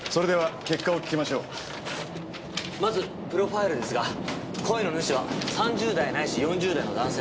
まずプロファイルですが声の主は３０代ないし４０代の男性。